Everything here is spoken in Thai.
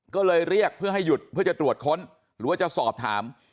ก็เลยเรียกเพื่อให้หยุดเพื่อจะตรวจค้นหรือว่าจะสอบถาม